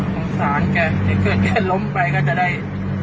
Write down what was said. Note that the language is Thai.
สงสารแกถ้าเกิดแกล้มไปก็จะได้